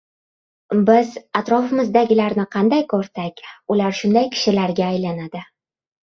Biz atrofimizdagilarni qanday koʻrsak, ular shunday kishilarga aylanadi.